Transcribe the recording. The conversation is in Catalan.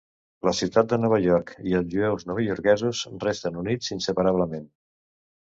La ciutat de Nova York i els jueus novaiorquesos resten units inseparablement.